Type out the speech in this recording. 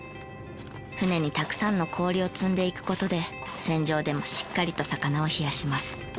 船にたくさんの氷を積んでいく事で船上でもしっかりと魚を冷やします。